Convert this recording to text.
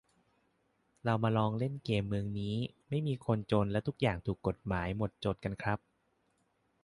เรามาลองเล่นเกมเมืองนี้ไม่มีคนจนและทุกอย่างถูกฎหมายหมดจดกันครับ